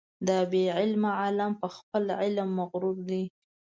دا بې علمه عالم په خپل علم مغرور دی.